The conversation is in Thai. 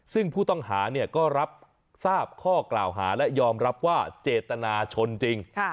ซึ่งผู้ต้องหาก็รับทราบข้อกล่าวหาและยอมรับว่าเจตนาชนจริง